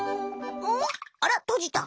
あらとじた。